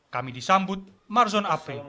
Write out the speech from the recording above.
kami disambut marzon ape